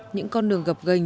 những con đường gặp gành